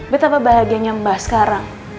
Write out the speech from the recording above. betapa bahagianya mbak sekarang